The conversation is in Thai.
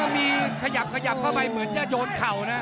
มีขยับขยับเข้าไปเหมือนจะโยนเข่านะ